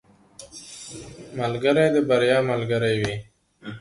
ملګری د بریا ملګری وي.